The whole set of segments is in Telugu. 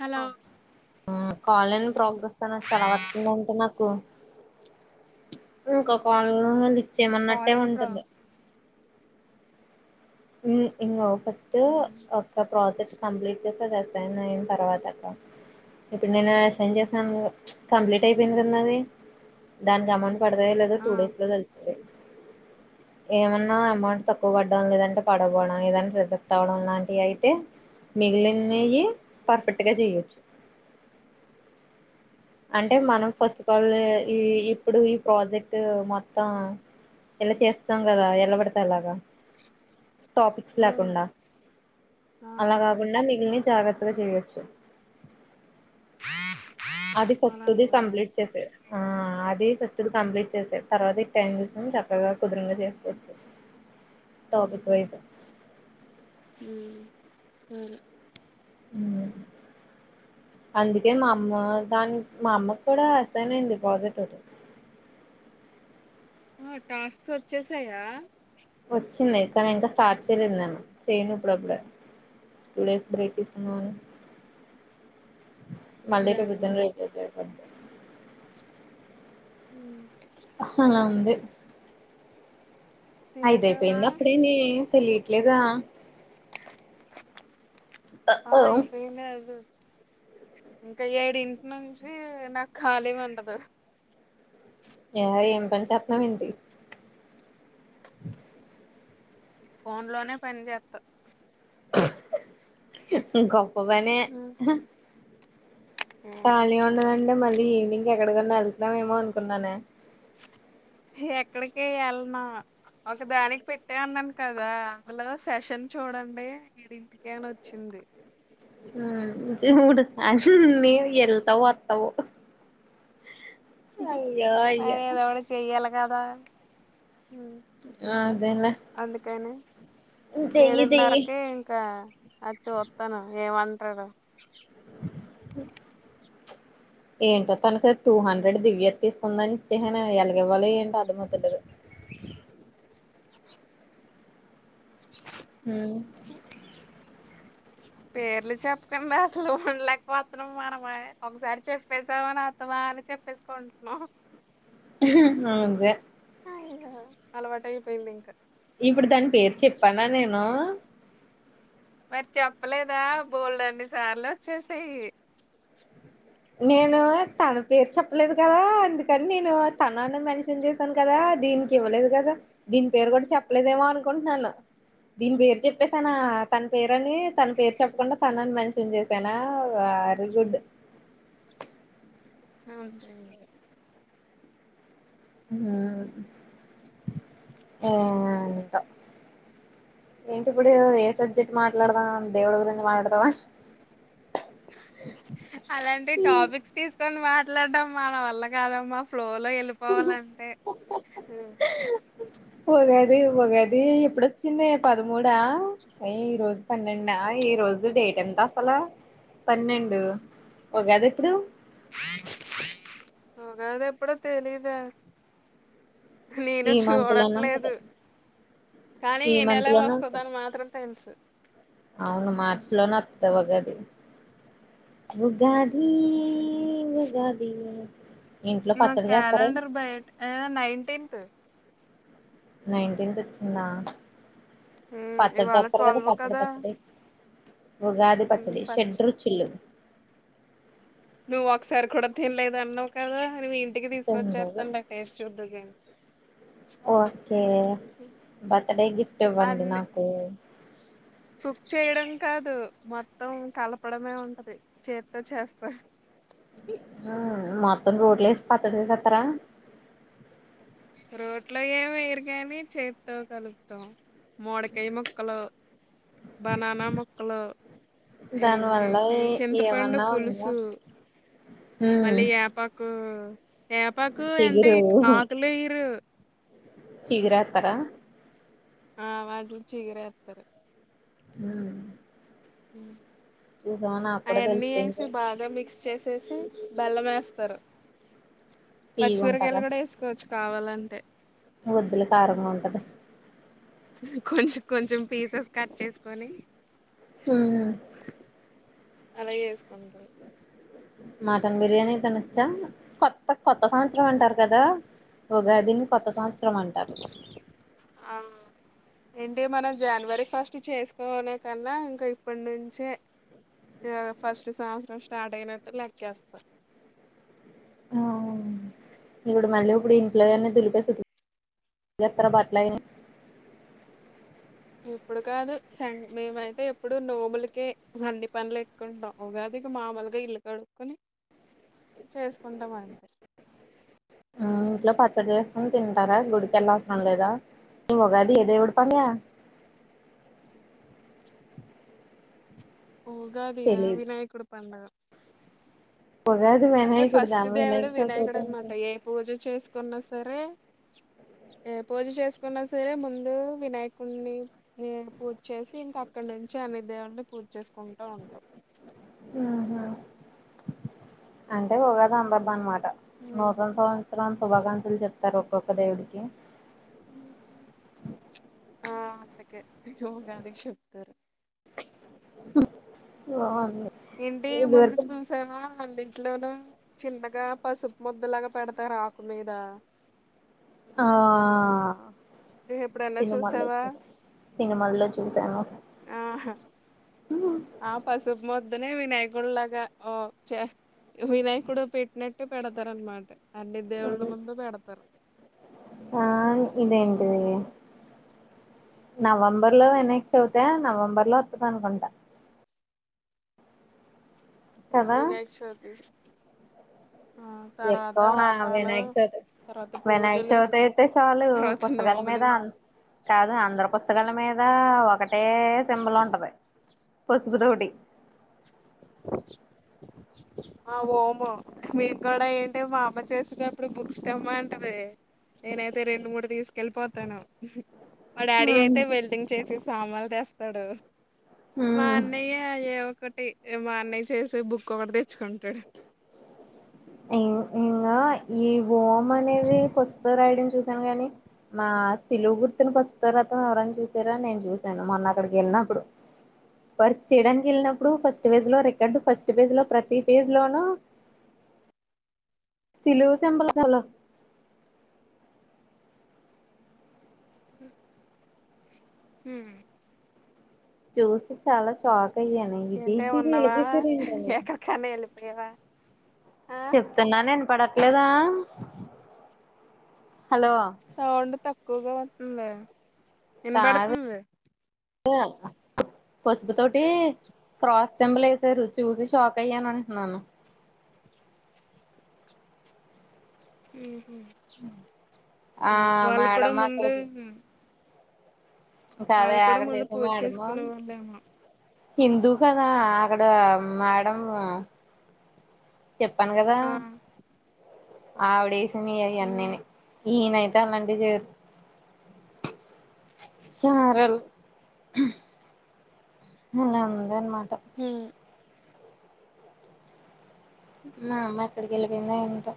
హలో ఉమ్ కాలేని ఉమ్ ప్రోగ్రెస్ తనా చాల వతుందంట నాకు ఇంకో కాల్న్న కాల్ లిఫ్ట్చేచ్చేయమన్నట్టే ఇన్ ప్రో ఉంటంది ఉమ్ ఇంగొ ఫస్ట్ ఉమ్ ఒక ప్రాజెక్ట్ కంప్లీట్ చేసే ఎ సైనైన్ తర్వాత ఇప్పుడు నేను ఎస్సైన్ చేసాను కంప్లీట్ ఐపోయింది గదా నాది దానిక్ అమౌంట్. పడతాయో లేదో ఆ టూ డేస్ లో తెల్తది ఏమన్నా అమౌంట్ తక్కువ పడ్డం లేదంటే. పడ పోడం ఏద రిజెక్ట్వడంలాంటీయైతే. మిగిలిన్నియి పర్ఫెక్ట్ గా చెయొచ్చు. అ అంటే మనం ఫస్ట్ కళ్ళే ఈ ఇప్పుడు ఈ ప్రాజెక్ట్ మొత్తం ఎల చేస్తాం గదా ఎలా ఎలపడ్తలాగా టాపిక్స్ అవును లేకుండా ఆ అలా గాగుండా మిగిల్నాయ్ జాగ్రత్త. చేయొచ్చు. అది అలా ఫస్టుది అంటావా కంప్లీట్ చేసేది ఆ అది. ఫస్ట్ కంప్లీట్ చేసేయి తర్వాత ఈ టైం చూస్కొని చక్కగా కుదురుంగ చేస్కొచ్చు. Topic wise. ఉమ్ ఉమ్. ఉమ్ అందుకే మామ్మ దాని మా అమ్మకూడా అసైనైంది ప్రాజెక్టొకటి ఒకటి. ఆ టాస్క్ వచ్చేసాయా. వచ్చింది కానీ ఇంకా స్టార్ట్ చేయలేదు నేను చేయను ఇప్పుడప్పుడే. టూ డేస్ బ్రేక్ తీసుకుందాం అని. బానే మల్లిక్కడ ఉంది కూర్చొని [unintelligible] ఉమ్. హలా ఉంది. తినేసావా ఐదైపోయింది అప్పుడేనే తెలీట్లేదా. ఆ ఐపోయింది. [unintelligible] ఇంకా ఏడింటి నుంచీ నాక్ ఖాళీ ఉండదు. ఏ ఏం పని చేత్నవ్ ఏంటి. ఫోన్ లోనే పన్ జెత్త గప్ప పనే. ఉమ్ ఖాళీ ఉండదడే మళ్ళీ ఈవినింగ్ ఎక్కడికన్నా ఎల్తనవెమో అనుకున్నానే. ఎక్కడికీ వెల్లను. ఒక దానిక్ పెట్ట అన్నాన్ కదా అందులో సెషన్ చూడండి వీడింటికనోచ్చింది. అే మ్ ఇహ ఊడు అన్నీ వెళ్తావు వత్తావు అయ్యో అయ్యో మరి ఏదోకటి చెయ్యాలి కదా ఉ అదేలే అందుకని చెయ్యి చెయ్యి ఏడున్నరకిే ఇంకా అద్ చూత్తను ఏమంటాడు. ఏంటో తనకే టూ హండ్రెడ్ దివ్య తీసుకుందాని ఇచ్చసనే ఎల్గివ్వలి. [unintelligible] ఉమ్ పేర్లు చెప్పకండా అసలు ఉండలేకపోతన్నాం మనమె ఒకసారి చెప్పేసామని అత్తమా అది కట్టేస్కుంటున్నావ్ అవున్ గా అలవాటయిపోయింది ఇంకా ఇప్పుడు దాని పేరు చెప్పాన నేను మరి చెప్పలేదా బోల్డన్ని సార్లు వచ్చేసాయి నేను తన పేరు చెప్పలేదు కదా అందుకని నేను తనన్న మెన్షన్ చేశాను కదా దీనికి ఇవ్వలేదు కద దీని పేరు కూడ చెప్పలేదేమో అనుకుంటున్నాను దీని పేరు చెప్పసనా తన పేరని తన పేరు చెప్పకుండా తనని మెన్షన్ చేసానా కారు గుడ్ ఆ ఉంచండి ఊ ప్చ్ అవునంట ఏంటి ఇప్పుడు ఏ సబ్జెక్ట్ మాట్లాడదాం దేవుడి గురించి మాట్లాడతావా హా అలాంటి టాపిక్స్ తీసుకోన్ లటం మన వల్ల కాదమ్మా ఫ్లో లో వెళ్ళి పోవాలంటే ఉగాది ఉగాది ఎప్పుడు వచ్చిందే పదమూడ అయి ఈ రోజు పన్నెండు అ ఈరోజు ఈరోజు డేట్ ఎంత అసలు పన్నెండు ఉగాది ఎప్పుడు ఉగాదేప్ ఎప్పుడో తెలీదే హు నేను ఈ మంత్ లోనే ఉంటది చూడట్లేదు కానీ ఈ మంత్ నెలే లోనే వస్తాది ఉంటది అని మాత్రం తెలుసు అవును మార్చి లోనే వత్త ఉగాది ఉగాది ఉగాది ఇంట్లో మా పచ్చడి చేస్తారే క్యాలెండర్ బయటే ఏ నైన్టీన్త్ నైన్టీన్త్ వచ్చిందా ఉమ్ పచ్చడి ఇవాళ చెతారు కదా ట్వెల్వ్ పచ్చడి పచ్చడి ఉగాది ఉమ్ పచ్చడి పచ్ షేడ్ రుచులు నువ్వు ఒకసారి కూడా తినలేదు అన్నావు కదా నీవి ఇంటికి తీసుకొచ్చేస్తాను లే టేస్ట్ చూదువు కానీ ఓస్ కే బర్త్ డే గిఫ్ట్ ఇవ్వండి అన్ని నాకు కుక్ చేయడం కాదు మొత్తం కలపడమే ఉంటది చేతో చేస్తా హా మొత్తం రోట్లో ఏసీ పచ్చడి చేసేస్తారా రోట్లో ఏమి వేయరు కానీ చేత్తో కలుపుతాం మామిడికాయ ముక్కలు బనానా ముక్కలు ఏయ్ దాని వల్ల ఇంకేంటి చింతపండు ఏమన్నా ఉందా పులుసు మళ్ళీ యాపాకు యాపాకు ఉ అంటే చిగురు ఇట్కు ఆ ఉ శిగేరేథరా ఆ వాటి చిగేరే తరు ఊ హ అయన్నీ తెలిసిపోయింది వేసి బాగా మిక్స్ చేసేసి బెల్లం వేస్తారు తీయగుంటగా పచ్చిమిరపకాయలు కూడా వేసుకోవచ్చు కావాలంటే వద్దులే కారం గా ఉంటది కొంచెం కొంచెం పీసెస్ కట్ చేసుకొని ఉ అలా చేసుకుంటాం మటన్ బిర్యానీ అయితే నచ్చా కొత్త కొత్త సంవత్సరం అంటారు కదా ఉగాదిని కొత్త సంవత్సరం అంటారు ఆ ఏంటి మనం జనవరి ఫస్ట్ చేసుకోనేవ కన్నా ఇంకా ఇప్పటి నుంచే యో ఫస్ట్ సంవత్సరం స్టార్ట్ అయినట్టు లెక్కేస్తా ఇప్పుడు మళ్ళీ ఇప్పుడు ఇంట్లో వని దులిపే ఏసీ ఉతు ఏమి చేస్తారు బట్లు అవి ఇప్పుడు కాదు సన్ మేమైతే ఎప్పుడు నోములకే వండి పనులు ఎట్టుకుంటాం ఉగాది ఇక మామూలుగా ఇల్లు కడుకోని చేసుకుంటాం ఆన్ ఉ ఇంట్లో పచ్చడి చేసుకుని తింటారా గుడికెళ్ళ అవసరం లేదా ఈ ఉగాది ఎ దేవుడు పన్య ఉ ఉగాది ఆ తెలీదు వినాయకుడు పండుగ ఉగాది అంటే వినాయకుడిదా ఫస్ట్ దేవుడు వినాయక చవితి వినాయకుడు ఒకటే అన్నమాట అనుకున్నా ఏ పూజ చేసుకున్నా సరే ఏ పూజ చేసుకున్నా సరే ముందు వినాయకుడిని నీ పూజ చేసి ఇంకా అక్ నుంచి అన్ని దేవుని పూజ చేసుకుంటూ ఉంటాం ఉహ అంటే పోగదా అందర్బా అన్నమాట ఉమ్. నూతన సంవత్సరం శుభాకాంక్షలు చెప్తారు ఒక్కొక్క దేవుడికి ఆ అందుకేోగాది చెప్తారు అ ఏంటి ముందు చ పూలుసావా అన్నింటిలోన చిన్నగా పసుపు ముద్దలాగా పెడతారు ఆకు మీద ఆ నువ్వు ఎప్పుడన్నా సినిమాల్లో చూసావా చూసా సినిమాల్లో చూసాను ఆ ఉ ఆ పసుుపు మొద్దనే వినాయకుల్లాగా ఓ చే వినాయకుడు పెట్టినట్టు పెడతారు అనమాట అన్ని దేవుళ్ళ ముందు పెడతారు ఆ ఇదేంటది నవంబర్ లో వెనక్కి చవితేా నవంబర్ లో వతుంది అనుకుంటా కదా వినాయక చవితి ఆ తర్వాత ఎక్కువగా వ్రతాలు వినాయక చవితి తర్వాత వినాయక పూజలు చవితి అయితే చాలు తర్వాత పుస్తకాల మీద నోములు కాదు అందరు పుస్తకాల మీద ఒకటే సింబల్ ఉంటది పసుపు తోటి [inaudible] ఆ ఓము మీరు కూడా ఏంటి మా అమ్మ చేసినప్పుడు బుక్స్ తేమంటది నేనైతే రెండు మూడు తీసుకు కెళ్ళిపోతాను మా డాడీ ఉమ్ అయితే వెల్డింగ్ చేసి సామానులు తేస్తాడు మా ఉమ్ అన్నయ్య యే ఒకటి మా అన్నయ్య చేసే బుక్ ఒకటి తెచ్చుకుంటాడు అవును ఈ ఓం అనేది పసుతో రాయడం చూసాము గాని మా శిలువు గుర్తుని వస్త రతం ఎవరని చూసారా నేను చూశాను మొన్న అక్కడికి వెళ్ళినప్పుడు వర్క్ చేయడానికి వెళ్ళినప్పుడు ఫస్ట్ పేజ్ లో రికార్డు ఫస్ట్ పేజ్ లో ప్రతి పేజ్ లోనూ [inaudible] సిలివస ఎపలా చవలా [unintelligible] హమ్ చూసి చాలా షాక్ అయ్యాను ఏంటే ఇదేంటిది ఇలా గీశారు ఏంటని అవా [unintelligible] చెప్తున్నా నేను పడట్లేదా సౌండు తక్కువగా వస్తుందే కాదు వినపడుతుంది [inaudible] పసుపు తోటి క్రాస్ సింబుల్ వేసారు చూసి షాక్ అయ్యాను అంటున్నాను [inaudible] ఆ వాళ్ళు కూడా మేడం ముందే కాదా ఎక్కడ పూజ చేసామో అడమా చేసుకునే వాళ్ళేమో హిందు కదా అక్కడ మేడం చెప్పాను కదా ఆ ఆవిదేసినివి అయి ఉమ్ అన్నియు ఈయనైతే అలాంటివి చేయడు సరేలే ఉ నేన్మా [unintelligible] హమ్ మా అమ్మ ఎక్కడికి వెళ్ళి పోయిందొ ఏంటో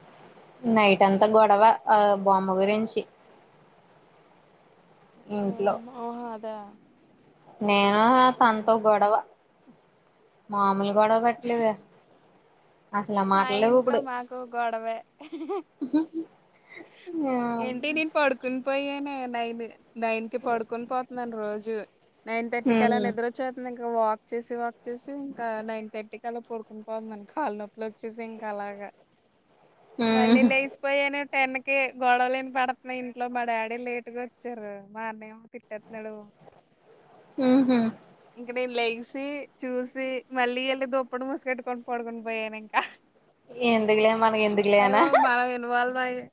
నైట్ అంతా గొడవ బొమ్మ గురించి [inaudible] ఏం ఇంట్లో బొమ్మ ఆ అదా నేను ఉమ్ తనతో గొడవ మామూలు గొడవ పెట్టలేదే మా ఇంట్లో మాకు గొడవే హ్మ్, ఏంటి నేను పడుకుని పోయా నైన్ నైన్ కి పడుకుని పోతుంనాను రోజు నైన్ థర్టీ కి అలా హ్మ్, నిద్ర వచ్చేస్తుంది ఇకా ఇంకా వాక్ చేసి వాక్ చేసి ఇంకా నైన్ థర్టీకి అలా పడుకుని పోతున్నాను కాళ్ళ నొపి అట్ల వచ్చేసి ఇంకా అలాగా మళ్ళీ లేసిపోయినే టెన్ కే గొడవలేని పడుతున్నా ఇంట్లో మా డాడీ లేటు గా వచ్చారు మా అన్నానేమో తిట్టేతున్నాడు [inaudible] హమ్ హా ఇంక నేను లెగిసి చూసి మళ్ళీ వెళ్ళి దుప్పటి మూసుకెట్టుకొని పడుకోని పోయాను ఇంకా ఎందుకులే మనకి ఎందుకులే అనా వఏదో మన ఇన్వాల్వ్ ఉంది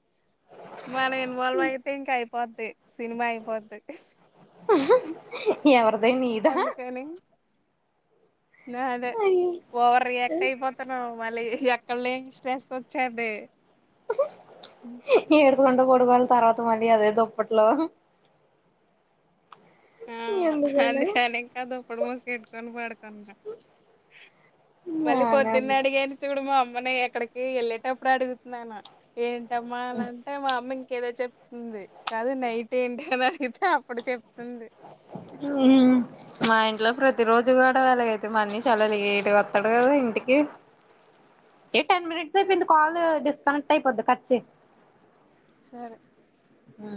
మనం ఇన్వాల్వ్ అయితే ఇంకా అయిపొద్ది సినిమా అయిపోధి ఎవరూ అందుకని అదే అయ్యో ఓవర్ రియాక్ట్ అయిపోతాన్నా మళ్ళీ ఎక్కడ లేమి స్ట్రెస్ వచ్చింది ఏ కం పోడుకోవాలి తర్వాత మళ అదే దప్పట్లో ఆ అందుకనింకాద అప్పుడు మూసుకెట్టుకొని పడుకుని మళ్ళీ బానే పొద్దున్న ఉంది అడిగారు చూడుమామ్ మన ఎక్కడికి వెళ్ళేటప్పుడు అడుగుతున్నాను ఏంటమ్మా అని అంటే మా అమ్మ ఏదో చెప్తుంది కాదు నైట్ ఏంటి అని అడిగితే అప్పుడు చెప్తుంది ఉమ్ మా ఇంట్లో ప్రతి రోజు కూడా వెలగైతే మన్ని చలలిగ ఇటుకి వస్తాడు కదా ఇంటికి ఏ టెన్ మినిట్స్ అ ఇందు కాల్ ఆ డిస్కనెక్ట్ అయిపోద్ది ఖర్చి సరే ఆ